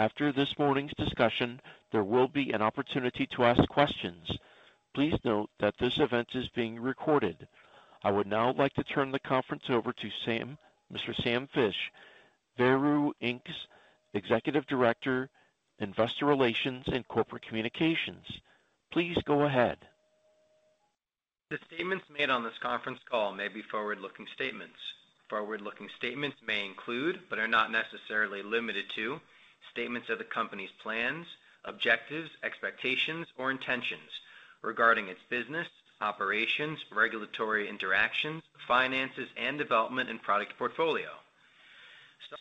After this morning's discussion, there will be an opportunity to ask questions. Please note that this event is being recorded. I would now like to turn the conference over to Sam, Mr. Sam Fisch, Veru Inc.'s Executive Director, Investor Relations and Corporate Communications. Please go ahead. The statements made on this conference call may be forward-looking statements. Forward-looking statements may include, but are not necessarily limited to, statements of the company's plans, objectives, expectations, or intentions regarding its business, operations, regulatory interactions, finances, and development and product portfolio.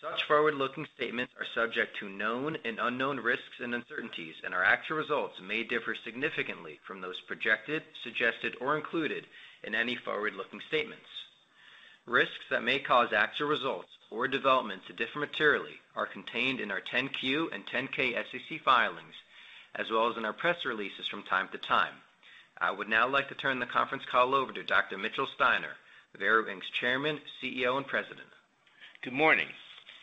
Such forward-looking statements are subject to known and unknown risks and uncertainties, and our actual results may differ significantly from those projected, suggested, or included in any forward-looking statements. Risks that may cause actual results or developments to differ materially are contained in our 10-Q and 10-K SEC filings, as well as in our press releases from time to time. I would now like to turn the conference call over to Dr. Mitchell Steiner, Veru Inc.'s Chairman, CEO, and President. Good morning.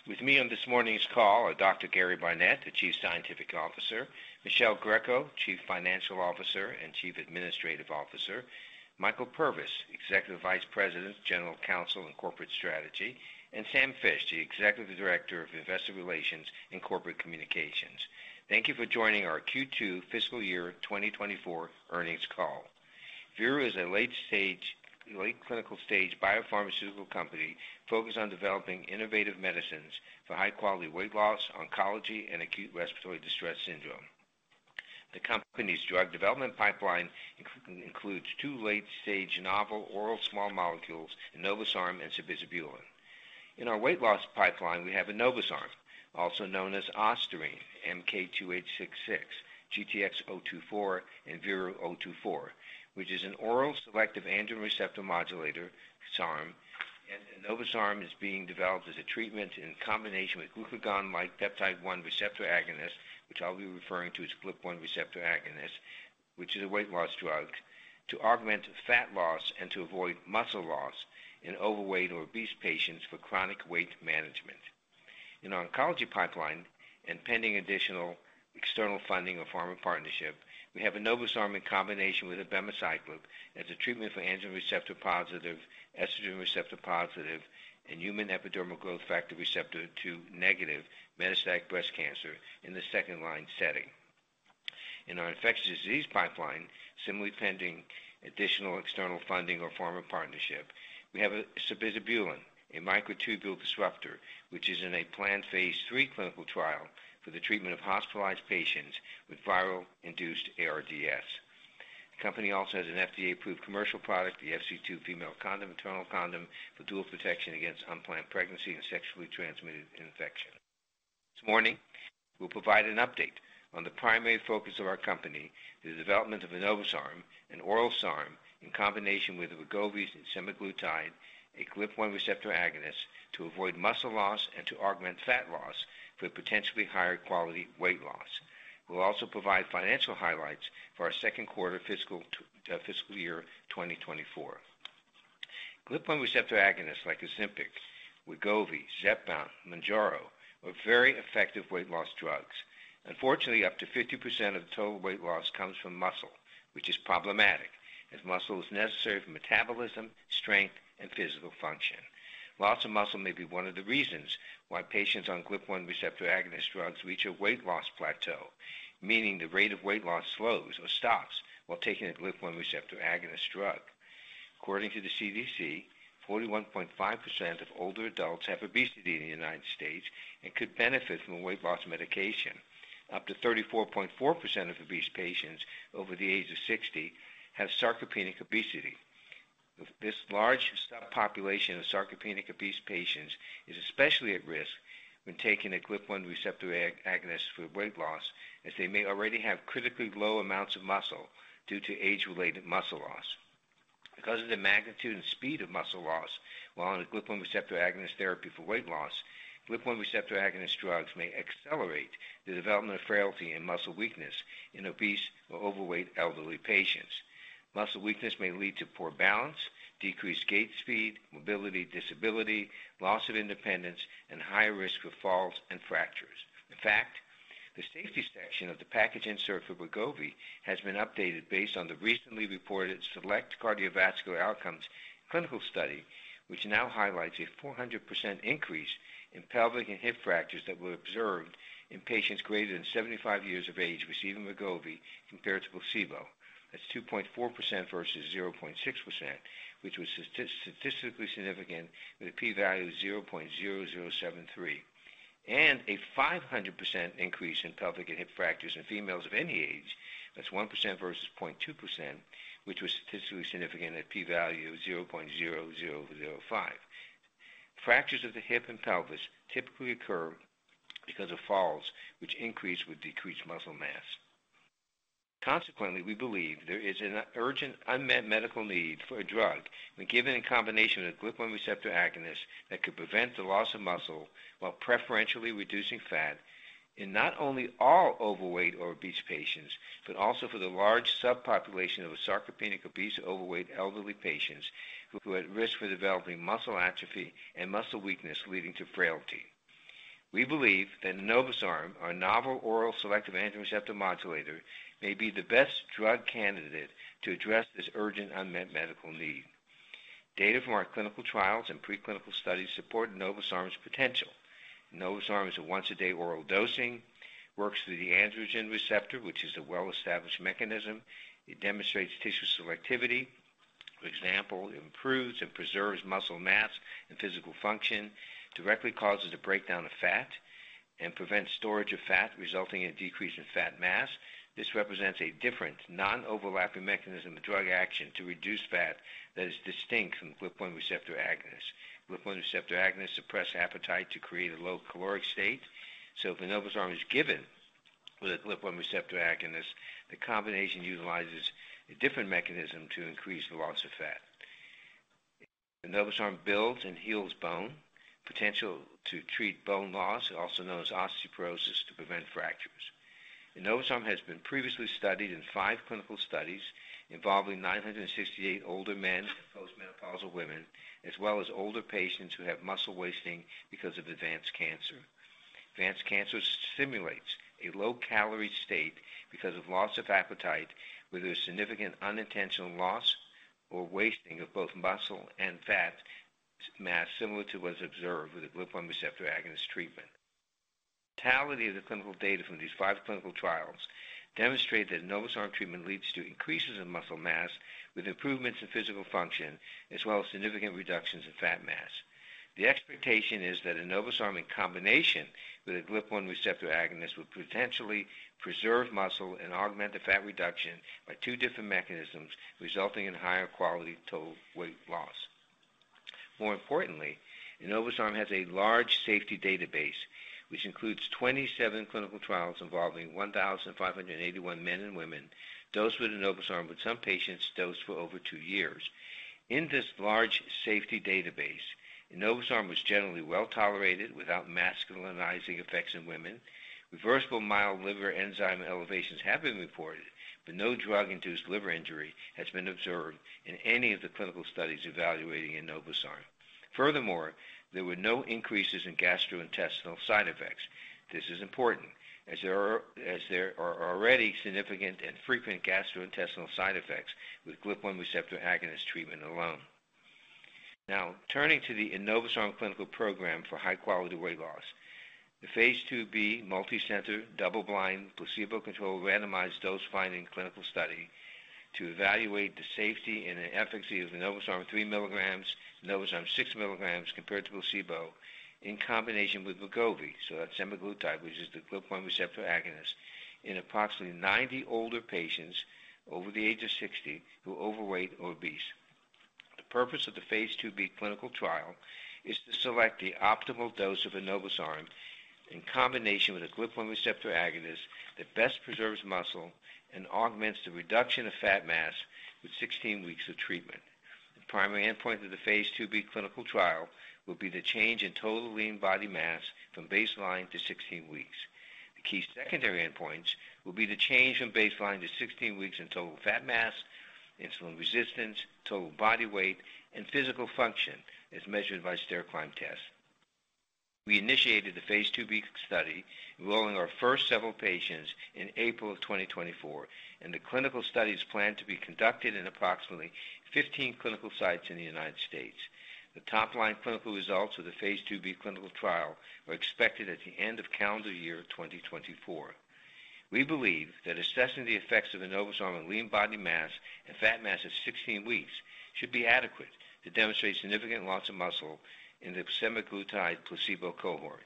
With me on this morning's call are Dr. Gary Barnette, the Chief Scientific Officer, Michelle Greco, Chief Financial Officer and Chief Administrative Officer, Michael Purvis, Executive Vice President, General Counsel, and Corporate Strategy, and Sam Fisch, the Executive Director of Investor Relations and Corporate Communications. Thank you for joining our Q2 Fiscal Year 2024 earnings call. Veru is a late clinical stage biopharmaceutical company focused on developing innovative medicines for high quality weight loss, oncology, and acute respiratory distress syndrome. The company's drug development pipeline includes two late-stage novel oral small molecules, Enobosarm and Sabizabulin. In our weight loss pipeline, we have Enobosarm, also known as Ostarine, MK-2866, GTx-024, and VERU-024, which is an oral selective androgen receptor modulator, SARM. Enobosarm is being developed as a treatment in combination with glucagon-like peptide-1 receptor agonist, which I'll be referring to as GLP-1 receptor agonist, which is a weight loss drug, to augment fat loss and to avoid muscle loss in overweight or obese patients for chronic weight management. In our oncology pipeline and pending additional external funding or pharma partnership, we have Enobosarm in combination with abemaciclib as a treatment for androgen receptor-positive, estrogen receptor-positive, and human epidermal growth factor receptor 2 negative metastatic breast cancer in the second-line setting. In our infectious disease pipeline, similarly pending additional external funding or pharma partnership, we have Sabizabulin, a microtubule disruptor, which is in a planned phase III clinical trial for the treatment of hospitalized patients with viral-induced ARDS. The company also has an FDA-approved commercial product, the FC2 Female Condom, internal condom for dual protection against unplanned pregnancy and sexually transmitted infection. This morning, we'll provide an update on the primary focus of our company, the development of Enobosarm, an oral SARM, in combination with the Wegovy and semaglutide, a GLP-1 receptor agonist, to avoid muscle loss and to augment fat loss for potentially higher quality weight loss. We'll also provide financial highlights for our second quarter fiscal year 2024. GLP-1 receptor agonists like Ozempic, Wegovy, Zepbound, Mounjaro are very effective weight loss drugs. Unfortunately, up to 50% of the total weight loss comes from muscle, which is problematic, as muscle is necessary for metabolism, strength, and physical function. Loss of muscle may be one of the reasons why patients on GLP-1 receptor agonist drugs reach a weight loss plateau, meaning the rate of weight loss slows or stops while taking a GLP-1 receptor agonist drug. According to the CDC, 41.5% of older adults have obesity in the United States and could benefit from a weight loss medication. Up to 34.4% of obese patients over the age of 60 have sarcopenic obesity. This large population of sarcopenic obese patients is especially at risk when taking a GLP-1 receptor agonist for weight loss, as they may already have critically low amounts of muscle due to age-related muscle loss. Because of the magnitude and speed of muscle loss while on a GLP-1 receptor agonist therapy for weight loss, GLP-1 receptor agonist drugs may accelerate the development of frailty and muscle weakness in obese or overweight elderly patients. Muscle weakness may lead to poor balance, decreased gait speed, mobility, disability, loss of independence, and higher risk for falls and fractures. In fact, the safety section of the package insert for Wegovy has been updated based on the recently reported Select Cardiovascular Outcomes clinical study, which now highlights a 400% increase in pelvic and hip fractures that were observed in patients greater than 75 years of age receiving Wegovy compared to placebo. That's 2.4% versus 0.6%, which was statistically significant, with a p-value of 0.0073. A 500% increase in pelvic and hip fractures in females of any age. That's 1% versus 0.2%, which was statistically significant at p-value 0.00005. Fractures of the hip and pelvis typically occur because of falls, which increase with decreased muscle mass. Consequently, we believe there is an urgent unmet medical need for a drug when given in combination with a GLP-1 receptor agonist, that could prevent the loss of muscle while preferentially reducing fat in not only all overweight or obese patients, but also for the large subpopulation of sarcopenic, obese, or overweight elderly patients who are at risk for developing muscle atrophy and muscle weakness leading to frailty. We believe that Enobosarm, our novel oral selective androgen receptor modulator, may be the best drug candidate to address this urgent unmet medical need. Data from our clinical trials and preclinical studies support Enobosarm's potential. Enobosarm is a once-a-day oral dosing, works through the androgen receptor, which is a well-established mechanism. It demonstrates tissue selectivity. For example, it improves and preserves muscle mass and physical function, directly causes the breakdown of fat, and prevents storage of fat, resulting in a decrease in fat mass. This represents a different non-overlapping mechanism of drug action to reduce fat that is distinct from glucagon receptor agonists. Glucagon receptor agonists suppress appetite to create a low caloric state. So if Enobosarm is given with a glucagon receptor agonist, the combination utilizes a different mechanism to increase the loss of fat. Enobosarm builds and heals bone, potential to treat bone loss, also known as osteoporosis, to prevent fractures. Enobosarm has been previously studied in five clinical studies involving 968 older men and postmenopausal women, as well as older patients who have muscle wasting because of advanced cancer. Advanced cancer stimulates a low-calorie state because of loss of appetite, with a significant unintentional loss or wasting of both muscle and fat mass, similar to what is observed with a GLP-1 receptor agonist treatment. The clinical data from these five clinical trials demonstrate that Enobosarm treatment leads to increases in muscle mass with improvements in physical function, as well as significant reductions in fat mass. The expectation is that Enobosarm, in combination with a GLP-1 receptor agonist, would potentially preserve muscle and augment the fat reduction by two different mechanisms, resulting in higher quality total weight loss. More importantly, Enobosarm has a large safety database, which includes 27 clinical trials involving 1,581 men and women dosed with enobosarm, with some patients dosed for over 2 years. In this large safety database, enobosarm was generally well-tolerated without masculinizing effects in women. Reversible mild liver enzyme elevations have been reported, but no drug-induced liver injury has been observed in any of the clinical studies evaluating enobosarm. Furthermore, there were no increases in gastrointestinal side effects. This is important as there are already significant and frequent gastrointestinal side effects with glucagon receptor agonist treatment alone. Now, turning to the enobosarm clinical program for high-quality weight loss. The phase IIb, multicenter, double-blind, placebo-controlled, randomized dose-finding clinical study to evaluate the safety and the efficacy of enobosarm 3 mg, enobosarm 6 mg, compared to placebo in combination with Wegovy. So that's semaglutide, which is the GLP-1 receptor agonist in approximately 90 older patients over the age of 60 who are overweight or obese. The purpose of the phase IIb clinical trial is to select the optimal dose of enobosarm in combination with a GLP-1 receptor agonist that best preserves muscle and augments the reduction of fat mass with 16 weeks of treatment. The primary endpoint of the phase IIb clinical trial will be the change in total lean body mass from baseline to 16 weeks. The key secondary endpoints will be the change from baseline to 16 weeks in total fat mass, insulin resistance, total body weight, and physical function as measured by stair climb test. We initiated the phase IIb study, enrolling our first several patients in April 2024, and the clinical study is planned to be conducted in approximately 15 clinical sites in the United States. The top-line clinical results of the phase IIb clinical trial are expected at the end of calendar year 2024. We believe that assessing the effects of enobosarm on lean body mass and fat mass at 16 weeks should be adequate to demonstrate significant loss of muscle in the semaglutide placebo cohort.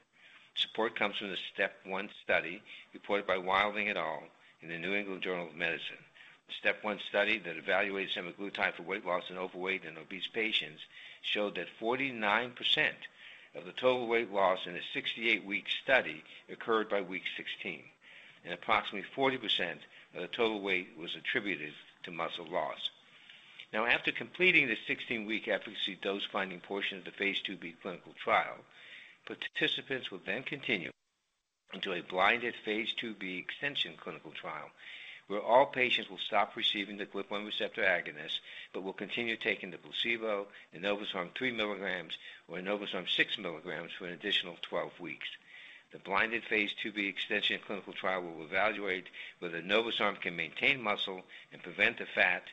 Support comes from the STEP 1 study reported by Wilding et al. in the New England Journal of Medicine. The STEP 1 study that evaluated semaglutide for weight loss in overweight and obese patients showed that 49% of the total weight loss in a 68-week study occurred by week 16, and approximately 40% of the total weight was attributed to muscle loss. Now, after completing the 16-week efficacy dose-finding portion of the phase IIb clinical trial, participants will then continue into a blinded phase IIb extension clinical trial, where all patients will stop receiving the glucagon receptor agonist but will continue taking the placebo, enobosarm 3 mg or enobosarm 6 mg for an additional 12 weeks. The blinded phase IIb extension clinical trial will evaluate whether enobosarm can maintain muscle and prevent the fat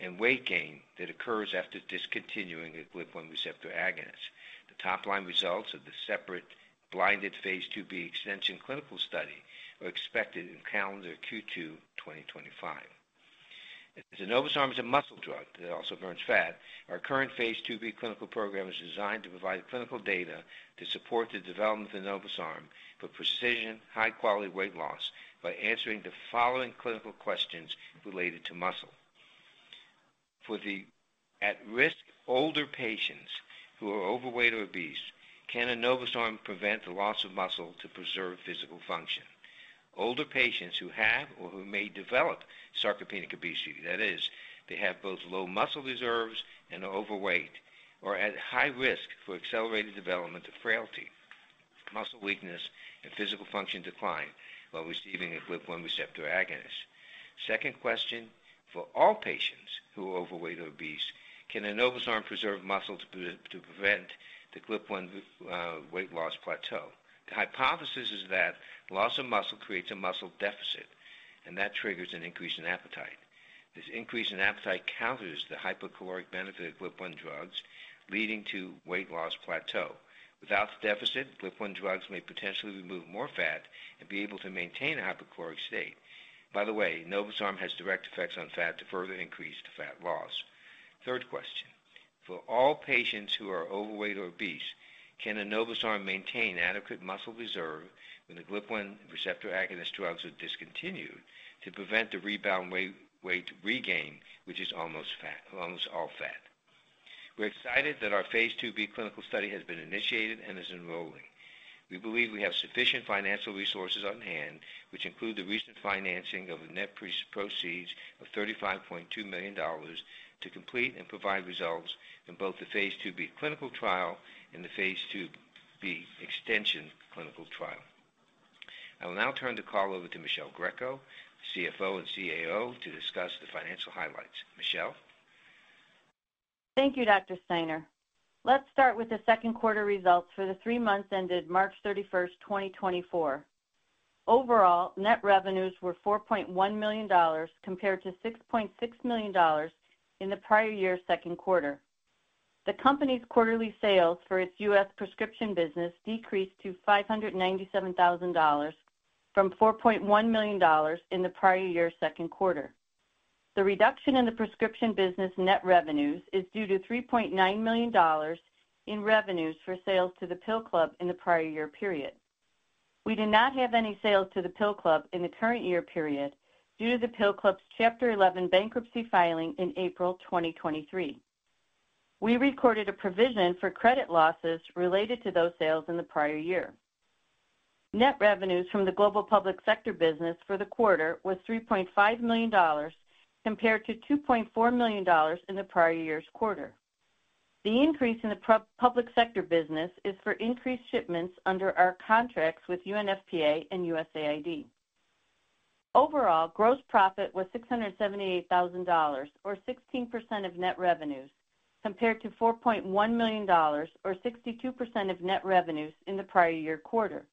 and weight gain that occurs after discontinuing a glucagon receptor agonist. The top-line results of the separate blinded phase IIb extension clinical study are expected in calendar Q2 2025. If enobosarm is a muscle drug that also burns fat, our current phase IIb clinical program is designed to provide clinical data to support the development of enobosarm for precision high-quality weight loss by answering the following clinical questions related to muscle. For the at-risk older patients who are overweight or obese, can enobosarm prevent the loss of muscle to preserve physical function? Older patients who have or who may develop sarcopenic obesity, that is, they have both low muscle reserves and are overweight, are at high risk for accelerated development of frailty, muscle weakness, and physical function decline while receiving a GLP-1 receptor agonist. Second question, for all patients who are overweight or obese, can enobosarm preserve muscle to, to prevent the GLP-1 weight loss plateau? The hypothesis is that loss of muscle creates a muscle deficit, and that triggers an increase in appetite. This increase in appetite counters the hypocaloric benefit of GLP-1 drugs, leading to weight loss plateau. Without the deficit, GLP-1 drugs may potentially remove more fat and be able to maintain a hypocaloric state. By the way, enobosarm has direct effects on fat to further increase the fat loss. Third question: For all patients who are overweight or obese, can enobosarm maintain adequate muscle reserve when the GLP-1 receptor agonist drugs are discontinued to prevent the rebound weight regain, which is almost fat, almost all fat? We're excited that our phase IIb clinical study has been initiated and is enrolling. We believe we have sufficient financial resources on hand, which include the recent financing of the net proceeds of $35.2 million to complete and provide results in both the phase IIb clinical trial and the phase IIb extension clinical trial. I will now turn the call over to Michelle Greco, CFO and CAO, to discuss the financial highlights. Michelle? Thank you, Dr. Steiner. Let's start with the second quarter results for the three months ended March 31st, 2024. Overall, net revenues were $4.1 million, compared to $6.6 million in the prior year's second quarter. The company's quarterly sales for its U.S. prescription business decreased to $597,000 from $4.1 million in the prior year's second quarter. The reduction in the prescription business net revenues is due to $3.9 million in revenues for sales to The Pill Club in the prior year period. We did not have any sales to The Pill Club in the current year period due to The Pill Club's Chapter 11 bankruptcy filing in April 2023. We recorded a provision for credit losses related to those sales in the prior year. Net revenues from the global public sector business for the quarter was $3.5 million, compared to $2.4 million in the prior year's quarter. The increase in the public sector business is for increased shipments under our contracts with UNFPA and USAID. Overall, gross profit was $678,000, or 16% of net revenues, compared to $4.1 million or 62% of net revenues in the prior year quarter.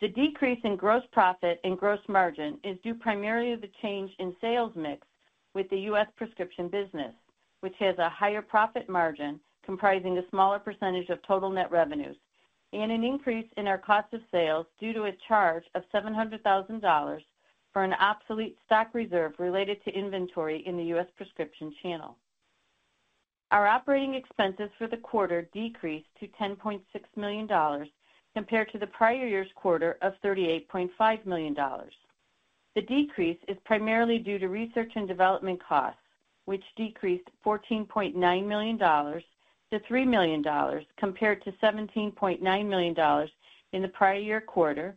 The decrease in gross profit and gross margin is due primarily to the change in sales mix with the U.S. prescription business, which has a higher profit margin comprising a smaller percentage of total net revenues, and an increase in our cost of sales due to a charge of $700,000 for an obsolete stock reserve related to inventory in the U.S. prescription channel. Our operating expenses for the quarter decreased to $10.6 million, compared to the prior year's quarter of $38.5 million. The decrease is primarily due to research and development costs, which decreased $14.9 million to $3 million, compared to $17.9 million in the prior year quarter,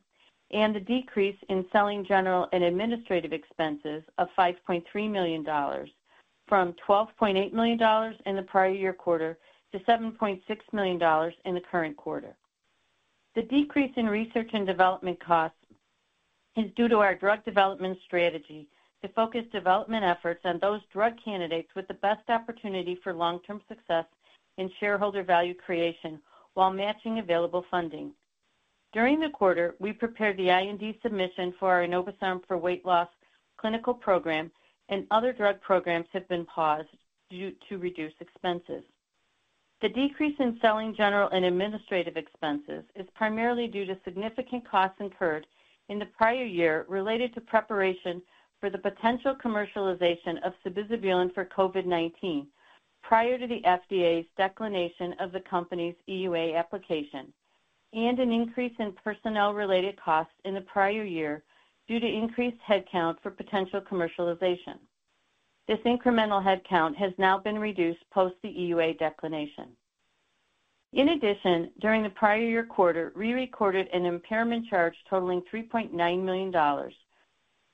and the decrease in selling general and administrative expenses of $5.3 million, from $12.8 million in the prior year quarter to $7.6 million in the current quarter. The decrease in research and development costs is due to our drug development strategy to focus development efforts on those drug candidates with the best opportunity for long-term success and shareholder value creation while matching available funding. During the quarter, we prepared the IND submission for our enobosarm for weight loss clinical program, and other drug programs have been paused due to reduced expenses. The decrease in selling general and administrative expenses is primarily due to significant costs incurred in the prior year related to preparation for the potential commercialization of Sabizabulin for COVID-19 prior to the FDA's declination of the company's EUA application and an increase in personnel-related costs in the prior year due to increased headcount for potential commercialization. This incremental headcount has now been reduced post the EUA declination. In addition, during the prior year quarter, we recorded an impairment charge totaling $3.9 million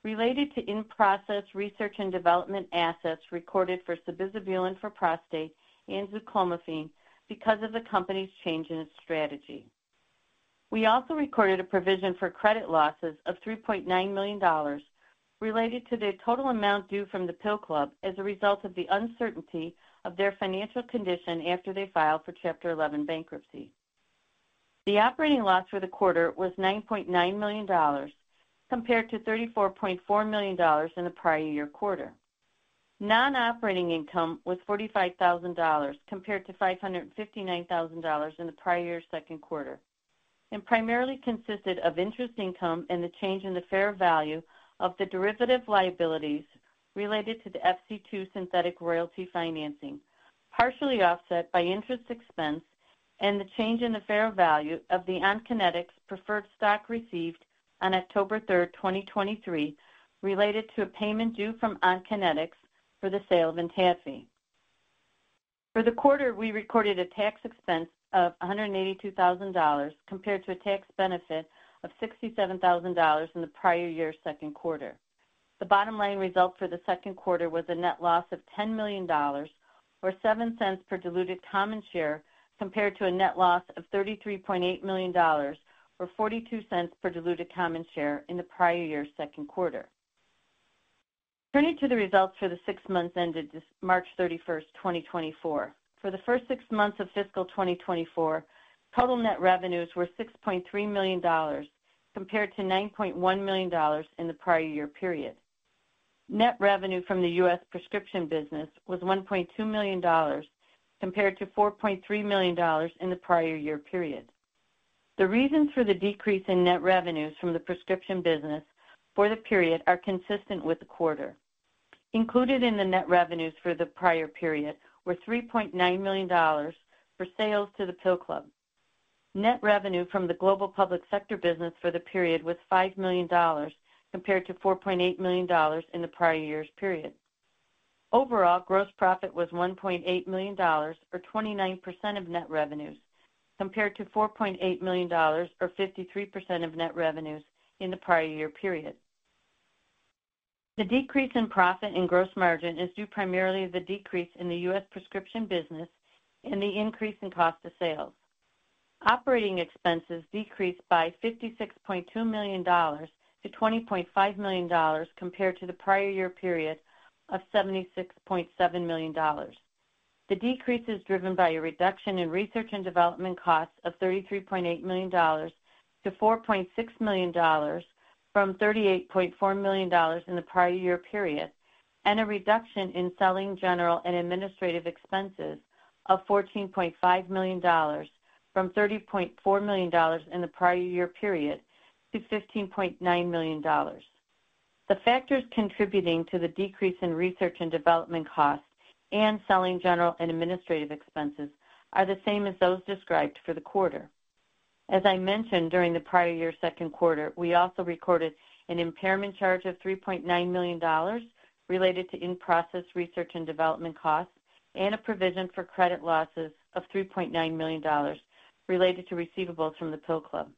related to in-process research and development assets recorded for Sabizabulin for prostate and Zuclomiphene because of the company's change in its strategy. We also recorded a provision for credit losses of $3.9 million related to the total amount due from The Pill Club as a result of the uncertainty of their financial condition after they filed for Chapter 11 bankruptcy. The operating loss for the quarter was $9.9 million, compared to $34.4 million in the prior year quarter. Non-operating income was $45,000, compared to $559,000 in the prior year's second quarter, and primarily consisted of interest income and the change in the fair value of the derivative liabilities related to the FC2 synthetic royalty financing, partially offset by interest expense and the change in the fair value of the Onconetix preferred stock received on October 3rd, 2023, related to a payment due from Onconetix for the sale of Entadfi. For the quarter, we recorded a tax expense of $182,000, compared to a tax benefit of $67,000 in the prior year's second quarter. The bottom line result for the second quarter was a net loss of $10 million, or $0.07 per diluted common share, compared to a net loss of $33.8 million, or $0.42 per diluted common share in the prior year's second quarter. Turning to the results for the six months ended March 31, 2024. For the first six months of Fiscal 2024, total net revenues were $6.3 million, compared to $9.1 million in the prior year period. Net revenue from the U.S. prescription business was $1.2 million, compared to $4.3 million in the prior year period. The reason for the decrease in net revenues from the prescription business for the period are consistent with the quarter. Included in the net revenues for the prior period were $3.9 million for sales to The Pill Club. Net revenue from the global public sector business for the period was $5 million, compared to $4.8 million in the prior year's period. Overall, gross profit was $1.8 million, or 29% of net revenues, compared to $4.8 million or 53% of net revenues in the prior year period. The decrease in profit and gross margin is due primarily to the decrease in the U.S. prescription business and the increase in cost of sales. Operating expenses decreased by $56.2 million to $20.5 million, compared to the prior year period of $76.7 million. The decrease is driven by a reduction in research and development costs of $33.8 million to $4.6 million, from $38.4 million in the prior year period, and a reduction in selling general and administrative expenses of $14.5 million, from $30.4 million in the prior year period to $15.9 million. The factors contributing to the decrease in research and development costs and selling general and administrative expenses are the same as those described for the quarter. As I mentioned, during the prior year's second quarter, we also recorded an impairment charge of $3.9 million related to in-process research and development costs, and a provision for credit losses of $3.9 million related to receivables from The Pill Club.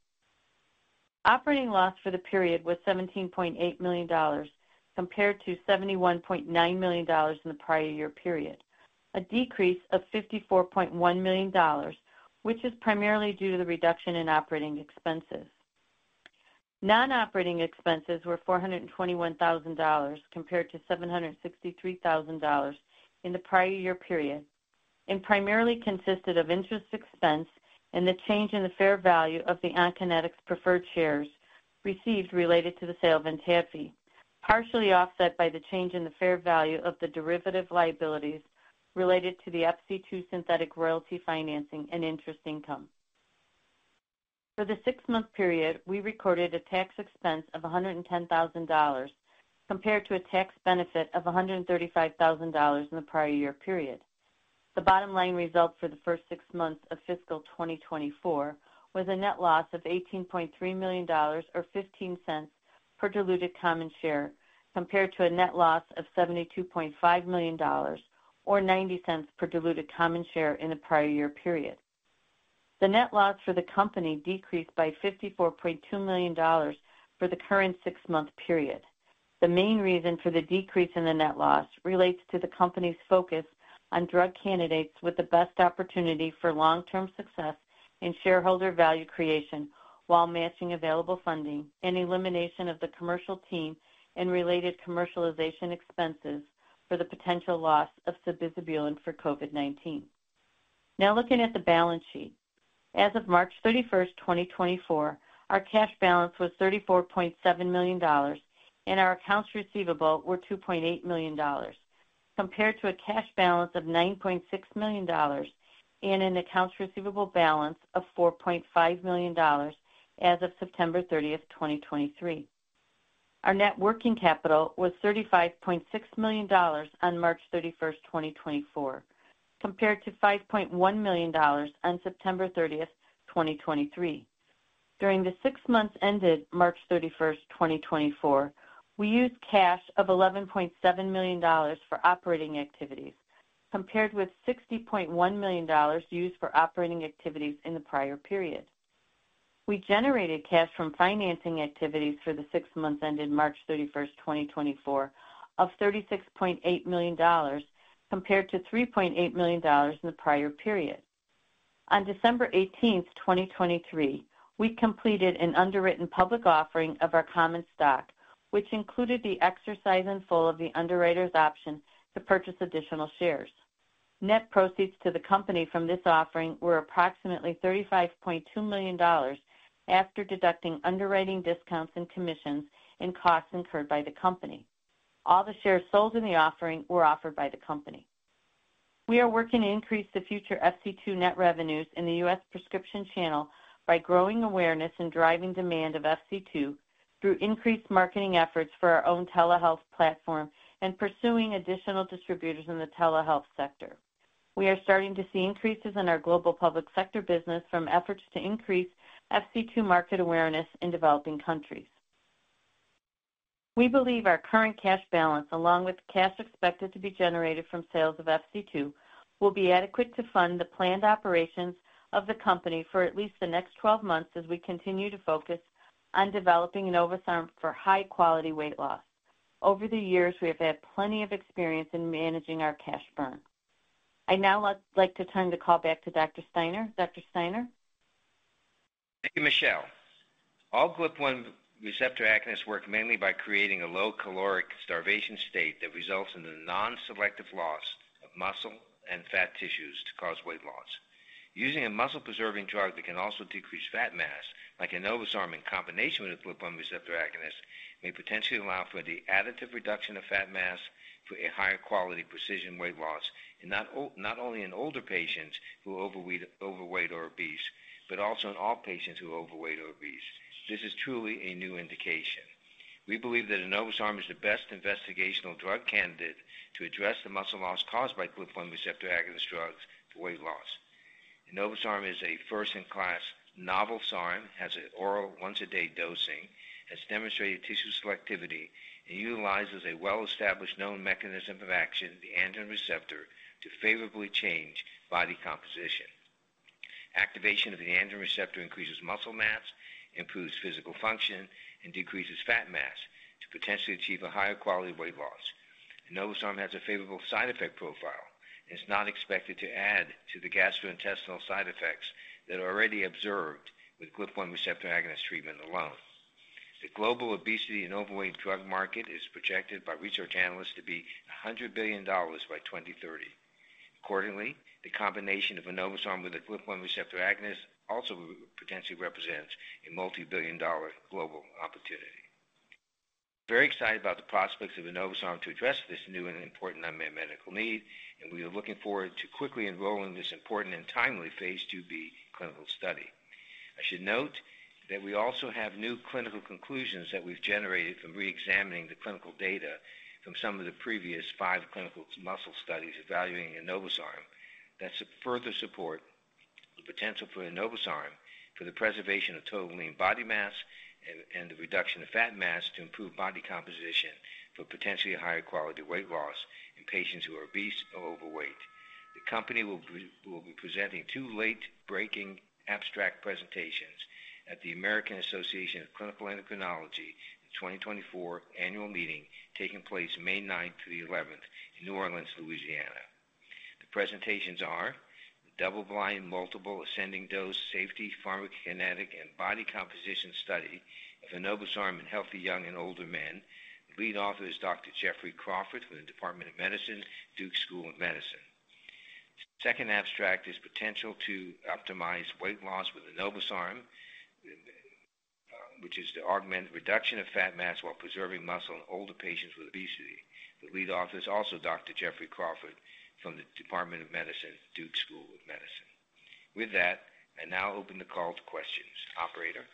Operating loss for the period was $17.8 million, compared to $71.9 million in the prior year period, a decrease of $54.1 million, which is primarily due to the reduction in operating expenses. Non-operating expenses were $421,000, compared to $763,000 in the prior year period, and primarily consisted of interest expense and the change in the fair value of the Onconetix preferred shares received related to the sale of Entadfi, partially offset by the change in the fair value of the derivative liabilities related to the FC2 synthetic royalty financing and interest income. For the six-month period, we recorded a tax expense of $110,000, compared to a tax benefit of $135,000 in the prior year period. The bottom line results for the first six months of Fiscal 2024 was a net loss of $18.3 million or $0.15 per diluted common share, compared to a net loss of $72.5 million or $0.90 per diluted common share in the prior year period. The net loss for the company decreased by $54.2 million for the current six-month period. The main reason for the decrease in the net loss relates to the company's focus on drug candidates with the best opportunity for long-term success and shareholder value creation, while matching available funding and elimination of the commercial team and related commercialization expenses for the potential loss of Sabizabulin for COVID-19. Now, looking at the balance sheet. As of March 31st, 2024, our cash balance was $34.7 million, and our accounts receivable were $2.8 million, compared to a cash balance of $9.6 million and an accounts receivable balance of $4.5 million as of September 30 of 2023. Our net working capital was $35.6 million on March 31st, 2024, compared to $5.1 million on September 30 of 2023. During the six months ended March 31st, 2024, we used cash of $11.7 million for operating activities, compared with $60.1 million used for operating activities in the prior period. We generated cash from financing activities for the six months ended March 31st, 2024, of $36.8 million, compared to $3.8 million in the prior period. On December 18th, 2023, we completed an underwritten public offering of our common stock, which included the exercise in full of the underwriter's option to purchase additional shares. Net proceeds to the company from this offering were approximately $35.2 million after deducting underwriting discounts and commissions, and costs incurred by the company. All the shares sold in the offering were offered by the company. We are working to increase the future FC2 net revenues in the U.S. prescription channel by growing awareness and driving demand of FC2 through increased marketing efforts for our own telehealth platform and pursuing additional distributors in the telehealth sector. We are starting to see increases in our global public sector business from efforts to increase FC2 market awareness in developing countries. We believe our current cash balance, along with the cash expected to be generated from sales of FC2, will be adequate to fund the planned operations of the company for at least the next 12 months as we continue to focus on developing enobosarm for high quality weight loss. Over the years, we have had plenty of experience in managing our cash burn. I'd now like to turn the call back to Dr. Steiner. Dr. Steiner? Thank you, Michelle. All GLP-1 receptor agonists work mainly by creating a low-caloric starvation state that results in a non-selective loss of muscle and fat tissues to cause weight loss. Using a muscle-preserving drug that can also decrease fat mass, like enobosarm, in combination with a GLP-1 receptor agonist, may potentially allow for the additive reduction of fat mass for a higher quality precision weight loss, and not only in older patients who are overweight or obese, but also in all patients who are overweight or obese. This is truly a new indication. We believe that enobosarm is the best investigational drug candidate to address the muscle loss caused by GLP-1 receptor agonist drugs for weight loss. Enobosarm is a first-in-class novel SARM, has an oral once-a-day dosing, has demonstrated tissue selectivity, and utilizes a well-established known mechanism of action, the androgen receptor, to favorably change body composition. Activation of the androgen receptor increases muscle mass, improves physical function, and decreases fat mass to potentially achieve a higher quality of weight loss. Enobosarm has a favorable side effect profile and is not expected to add to the gastrointestinal side effects that are already observed with GLP-1 receptor agonist treatment alone. The global obesity and overweight drug market is projected by research analysts to be $100 billion by 2030. Accordingly, the combination of enobosarm with a GLP-1 receptor agonist also potentially represents a multibillion-dollar global opportunity. Very excited about the prospects of enobosarm to address this new and important unmet medical need, and we are looking forward to quickly enrolling this important and timely phase IIb clinical study. I should note that we also have new clinical conclusions that we've generated from reexamining the clinical data from some of the previous five clinical muscle studies evaluating enobosarm. That's further support for the potential for enobosarm for the preservation of total lean body mass and the reduction of fat mass to improve body composition for potentially a higher quality weight loss in patients who are obese or overweight. The company will be presenting two late-breaking abstract presentations at the American Association of Clinical Endocrinology in 2024 annual meeting taking place on May 9th through the 11th in New Orleans, Louisiana. The presentations are: double-blind, multiple ascending dose safety, pharmacokinetic and body composition study of enobosarm in healthy, young, and older men. The lead author is Dr. Jeffrey Crawford with the Department of Medicine, Duke School of Medicine. Second abstract is potential to optimize weight loss with enobosarm, which is to augment reduction of fat mass while preserving muscle in older patients with obesity. The lead author is also Dr. Jeffrey Crawford from the Department of Medicine, Duke School of Medicine. With that, I now open the call to questions. Operator?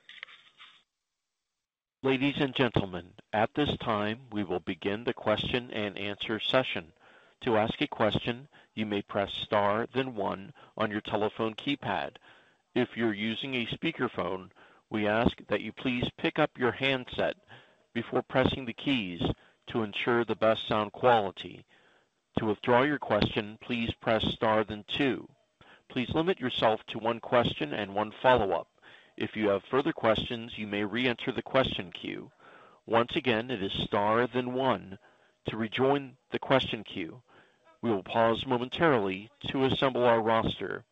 Ladies and gentlemen, at this time, we will begin the question-and-answer session. To ask a question, you may press star, then one on your telephone keypad. If you're using a speakerphone, we ask that you please pick up your handset before pressing the keys to ensure the best sound quality. To withdraw your question, please press star, then two. Please limit yourself to one question and one follow-up. If you have further questions, you may reenter the question queue. Once again, it is star, then one to rejoin the question queue. We will pause momentarily to assemble our roster.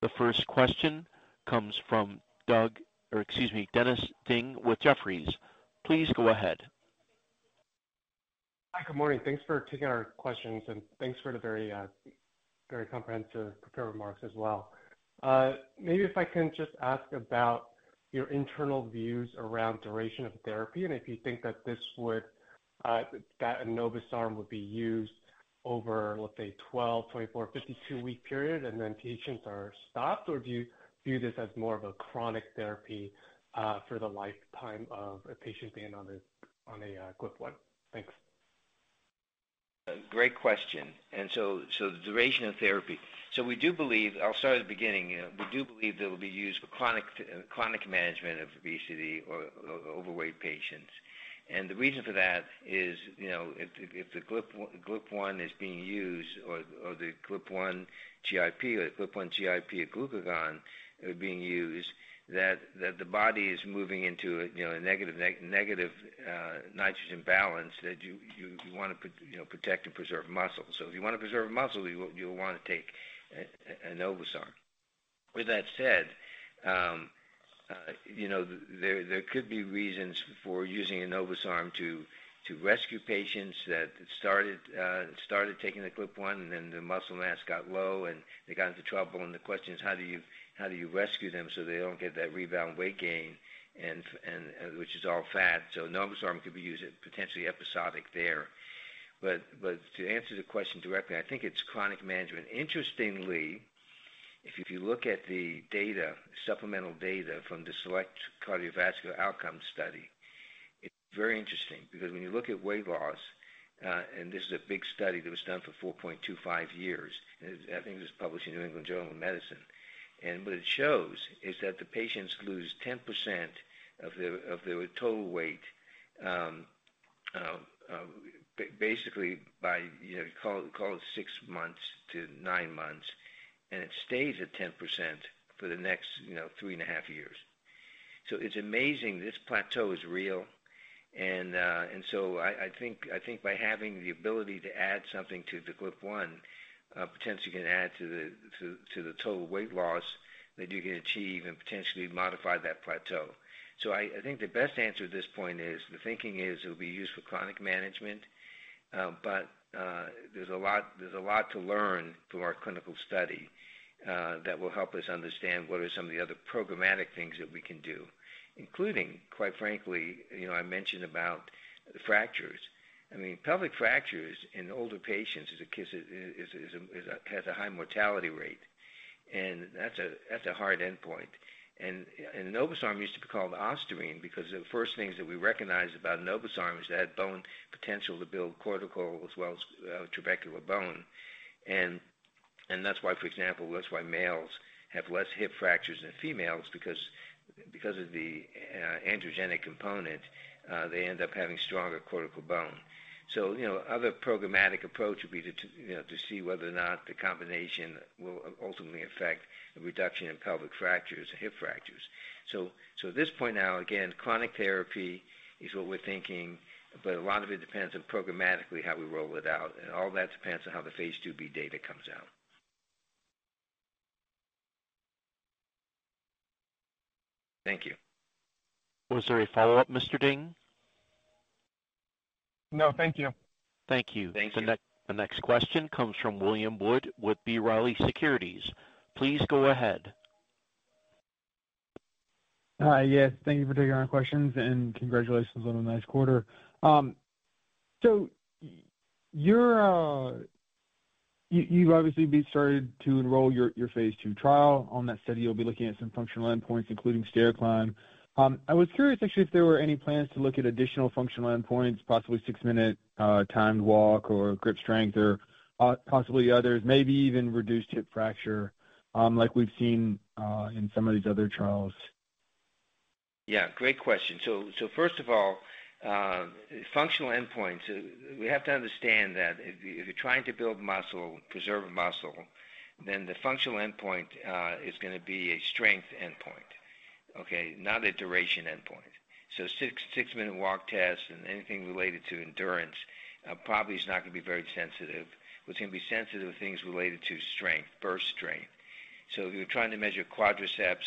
The first question comes from Doug, or excuse me, Dennis Ding with Jefferies. Please go ahead. Hi, good morning. Thanks for taking our questions, and thanks for the very, very comprehensive prepared remarks as well. Maybe if I can just ask about your internal views around duration of therapy and if you think that this would, that enobosarm would be used over, let's say, 12-week, 24-week, 52-week period, and then patients are stopped, or do you view this as more of a chronic therapy, for the lifetime of a patient being on a, on a, GLP-1? Thanks. Great question. So the duration of therapy. We do believe, I'll start at the beginning, we do believe that it will be used for chronic management of obesity or overweight patients. And the reason for that is, you know, if the GLP-1 is being used, or the GLP-1 GIP, or the GLP-1 GIP or glucagon are being used, that the body is moving into a, you know, a negative nitrogen balance that you want to, you know, protect and preserve muscle. So if you want to preserve muscle, you'll want to take enobosarm. With that said, you know, there could be reasons for using enobosarm to rescue patients that started taking the GLP-1, and then their muscle mass got low, and they got into trouble, and the question is: How do you rescue them so they don't get that rebound weight gain and, and which is all fat? So enobosarm could be used as potentially episodic there. But to answer the question directly, I think it's chronic management. Interestingly, if you look at the data, supplemental data from the SELECT Cardiovascular Outcome study, it's very interesting because when you look at weight loss, and this is a big study that was done for 4.25 years, I think it was published in the New England Journal of Medicine. What it shows is that the patients lose 10% of their total weight, basically by, you know, call it 6 months to 9 months, and it stays at 10% for the next, you know, 3.5 years. So it's amazing, this plateau is real. And so I think by having the ability to add something to the GLP-1, potentially can add to the total weight loss that you can achieve and potentially modify that plateau. So I think the best answer at this point is the thinking is it will be used for chronic management. But, there's a lot, there's a lot to learn from our clinical study, that will help us understand what are some of the other programmatic things that we can do, including, quite frankly, you know, I mentioned about fractures. I mean, pelvic fractures in older patients is a case, has a high mortality rate, and that's a hard endpoint. And enobosarm used to be called Ostarine because the first things that we recognized about enobosarm is that it had bone potential to build cortical as well as trabecular bone. And that's why, for example, that's why males have less hip fractures than females because of the androgenic component, they end up having stronger cortical bone. So, you know, other programmatic approach would be to, you know, to see whether or not the combination will ultimately affect the reduction in pelvic fractures or hip fractures. So, at this point now, again, chronic therapy is what we're thinking, but a lot of it depends on programmatically how we roll it out, and all that depends on how the phase IIb data comes out. Thank you. Was there a follow-up, Mr. Ding? No, thank you. Thank you. Thank you. The next question comes from William Wood with B. Riley Securities. Please go ahead. Hi, yes, thank you for taking our questions, and congratulations on a nice quarter. So you're, you've obviously started to enroll your, your phase II trial. On that study, you'll be looking at some functional endpoints, including stair climb. I was curious actually if there were any plans to look at additional functional endpoints, possibly six-minute timed walk or grip strength, or, possibly others, maybe even reduced hip fracture, like we've seen, in some of these other trials? Yeah, great question. So first of all, functional endpoints, we have to understand that if you're trying to build muscle, preserve muscle, then the functional endpoint is going to be a strength endpoint, okay, not a duration endpoint. So 6-minute walk test and anything related to endurance probably is not going to be very sensitive. What's going to be sensitive are things related to strength, burst strength. So if you're trying to measure quadriceps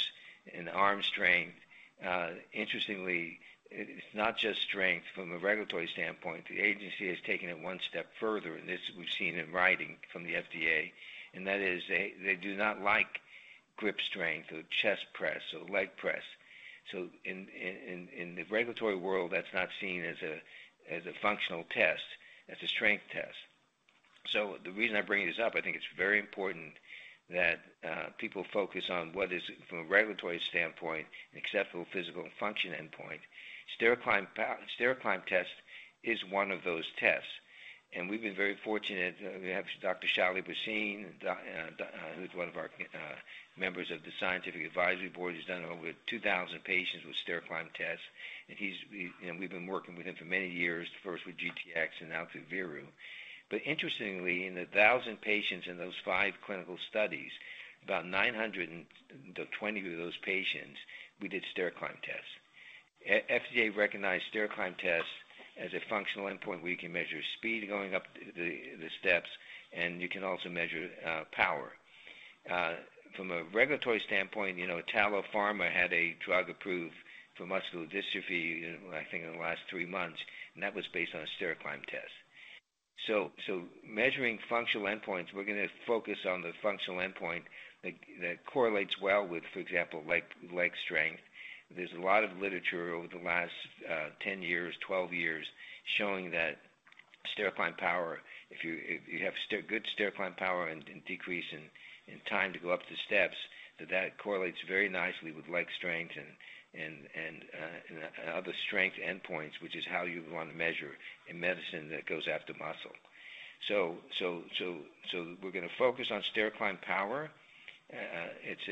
and arm strength, interestingly, it's not just strength from a regulatory standpoint. The agency has taken it one step further, and this we've seen in writing from the FDA, and that is they do not like grip strength or chest press or leg press. So in the regulatory world, that's not seen as a functional test, it's a strength test. So the reason I bring this up, I think it's very important that people focus on what is, from a regulatory standpoint, an acceptable physical and function endpoint. Stair climb test is one of those tests, and we've been very fortunate. We have Dr. Shalender Bhasin, who's one of our members of the scientific advisory board. He's done over 2,000 patients with stair climb tests, and he's, you know, we've been working with him for many years, first with GTX and now through Veru. But interestingly, in the 1,000 patients in those five clinical studies, about 920 of those patients, we did stair climb tests. FDA recognized stair climb tests as a functional endpoint, where you can measure speed going up the steps, and you can also measure power. From a regulatory standpoint, you know, Italfarmaco had a drug approved for muscular dystrophy, I think, in the last three months, and that was based on a stair climb test. So measuring functional endpoints, we're going to focus on the functional endpoint that correlates well with, for example, leg strength. There's a lot of literature over the last 10 years, 12 years, showing that stair climb power, if you have good stair climb power and decrease in time to go up the steps, that correlates very nicely with leg strength and other strength endpoints, which is how you want to measure a medicine that goes after muscle. So we're going to focus on stair climb power. It's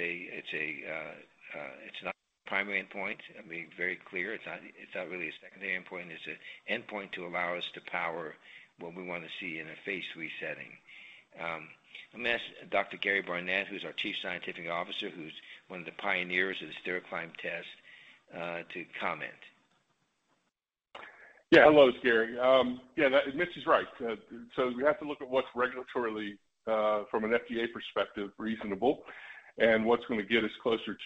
not a primary endpoint. Let me be very clear. It's not, it's not really a secondary endpoint. It's an endpoint to allow us to power what we want to see in a phase III setting. I'm going to ask Dr. Gary Barnette, who's our Chief Scientific Officer, who's one of the pioneers of the stair climb test, to comment. Yeah. Hello, Gary. Yeah, that Mitch is right. So we have to look at what's regulatorily, from an FDA perspective, reasonable, and what's going to get us closer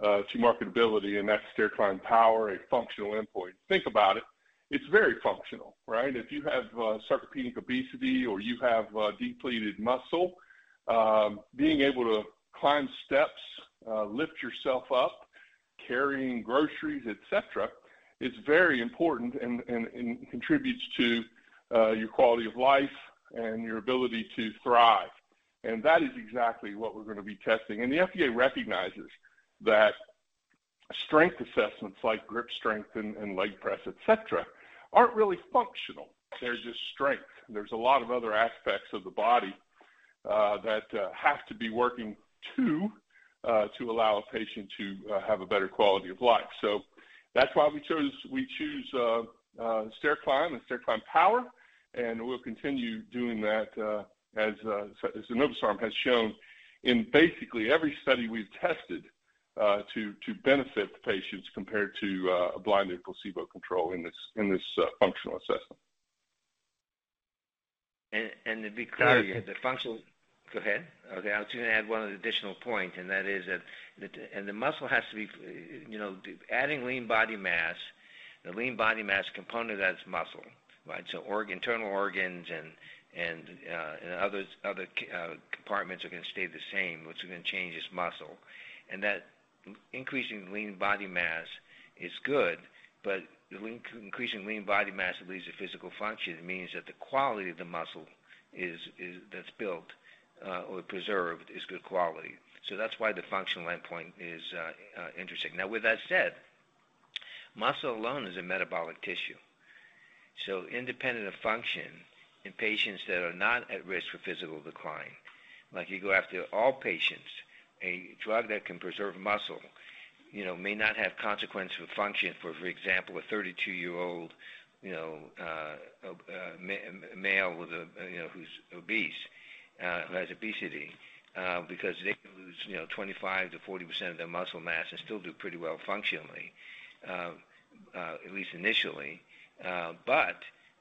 to marketability, and that's stair climb power, a functional endpoint. Think about it, it's very functional, right? If you have sarcopenic obesity or you have depleted muscle, being able to climb steps, lift yourself up, carrying groceries, et cetera, is very important and contributes to your quality of life and your ability to thrive. And that is exactly what we're going to be testing. And the FDA recognizes that strength assessments like grip strength and leg press, et cetera, aren't really functional. They're just strength. There's a lot of other aspects of the body that have to be working too to allow a patient to have a better quality of life. So that's why we choose stair climb and stair climb power, and we'll continue doing that as enobosarm has shown in basically every study we've tested to benefit the patients compared to a blinded placebo control in this functional assessment. And to be clear, the functional, go ahead. Okay, I was going to add one additional point, and that is the muscle has to be, you know, adding lean body mass. The lean body mass component, that's muscle, right? So internal organs and other compartments are going to stay the same. What's going to change is muscle. And that increasing lean body mass is good, but increasing lean body mass that leads to physical function means that the quality of the muscle that's built or preserved, is good quality. So that's why the functional endpoint is interesting. Now, with that said, muscle alone is a metabolic tissue. So independent of function in patients that are not at risk for physical decline, like, you go after all patients, a drug that can preserve muscle, you know, may not have consequences for function. For example, a 32-year-old, you know, male with a, you know, who's obese, who has obesity, because they can lose, you know, 25% to 40% of their muscle mass and still do pretty well functionally, at least initially. But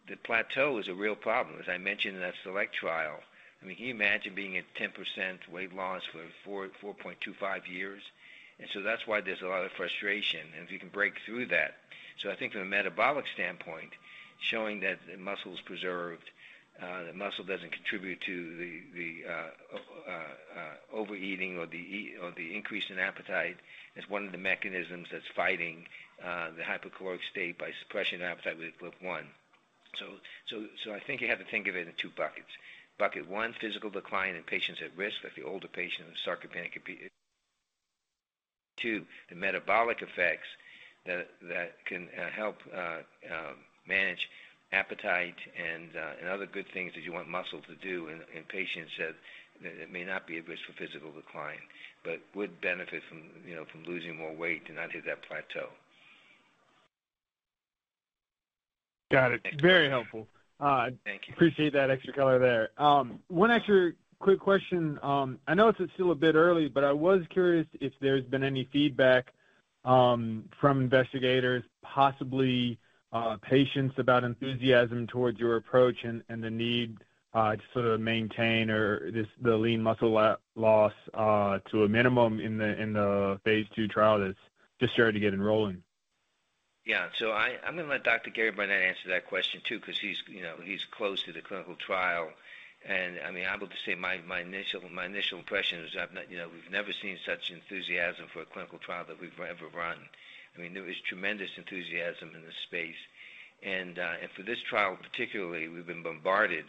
the plateau is a real problem, as I mentioned in that SELECT trial. I mean, can you imagine being at 10% weight loss for 4.25 years? And so that's why there's a lot of frustration, and if you can break through that. So I think from a metabolic standpoint, showing that the muscle is preserved, the muscle doesn't contribute to the overeating or the increase in appetite is one of the mechanisms that's fighting the hypercaloric state by suppressing appetite with one. So I think you have to think of it in two buckets. Bucket one, physical decline in patients at risk, like the older patient with sarcopenic obesity. Two, the metabolic effects that can help manage appetite and other good things that you want muscle to do in patients that may not be at risk for physical decline, but would benefit from, you know, from losing more weight and not hit that plateau. Got it. Very helpful. Thank you. Appreciate that extra color there. One extra quick question. I know this is still a bit early, but I was curious if there's been any feedback from investigators, possibly, patients, about enthusiasm towards your approach and the need to sort of maintain or the lean muscle loss to a minimum in the phase II trial that's just starting to get enrolling. Yeah. So I'm going to let Dr. Gary Barnette answer that question too, because he's, you know, he's close to the clinical trial. And, I mean, I would just say my initial impression is I've not, you know, we've never seen such enthusiasm for a clinical trial that we've ever run. I mean, there is tremendous enthusiasm in this space. And for this trial particularly, we've been bombarded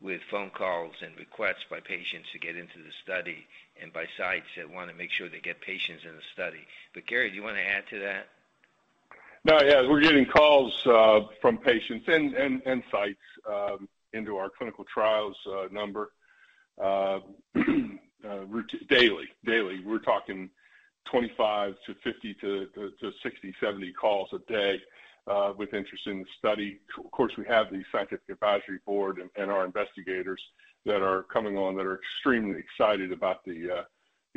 with phone calls and requests by patients to get into the study and by sites that want to make sure they get patients in the study. But Gary, do you want to add to that? No, yeah, we're getting calls from patients and sites into our clinical trials number daily, daily. We're talking 25 calls to 50 calls to 60 calls, 70 calls a day with interest in the study. Of course, we have the scientific advisory board and our investigators that are coming on that are extremely excited about the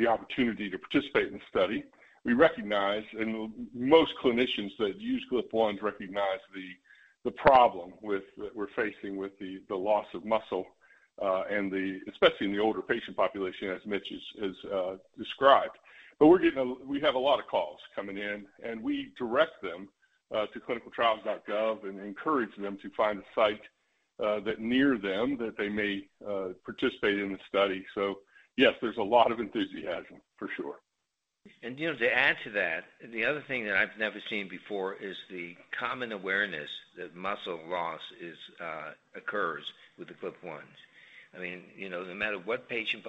opportunity to participate in the study. We recognize, and most clinicians that use GLP-1 recognize the problem with that we're facing with the loss of muscle and the especially in the older patient population, as Mitch has described. But we're getting a we have a lot of calls coming in, and we direct them to clinicaltrials.gov and encourage them to find a site near them that they may participate in the study. Yes, there's a lot of enthusiasm, for sure. You know, to add to that, the other thing that I've never seen before is the common awareness that muscle loss occurs with the GLP-1. I mean, you know, no matter what patient,